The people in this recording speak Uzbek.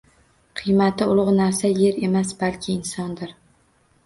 Qiymati ulug‘ narsa yer emas, balki insondir.